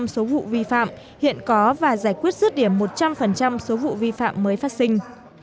số vụ vi phạm hiện có và giải quyết rước điểm một trăm linh số vụ vi phạm mới phát sinh